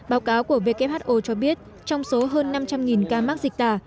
báo cáo của who cho biết trong số hơn năm trăm linh ca mắc dịch tả